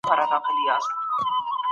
څوک د عقيدې په چارو کي نه مجبوريږي.